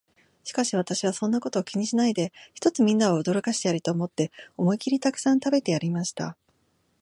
しかし私は、そんなことは気にしないで、ひとつみんなを驚かしてやれと思って、思いきりたくさん食べてやりました。